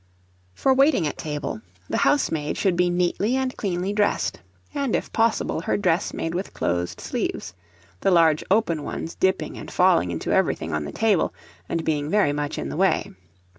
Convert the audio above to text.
For waiting at table, the housemaid should be neatly and cleanly dressed, and, if possible, her dress made with closed sleeves, the large open ones dipping and falling into everything on the table, and being very much in the way.